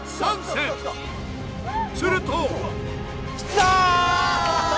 すると。